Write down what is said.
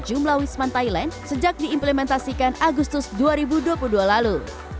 jumlah wisman thailand sejak diimplementasikan agustus dua ribu dua puluh dua lalu